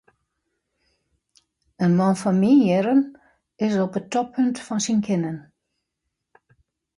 In man fan myn jierren is op it toppunt fan syn kinnen.